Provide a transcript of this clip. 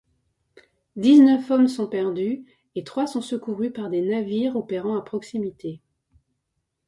Dix-neuf hommes sont perdus, et trois sont secourus par des navires opérant à proximité.